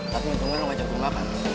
tapi untungnya lo ngajak gue makan